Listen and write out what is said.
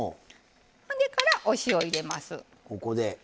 それから、お塩を入れます。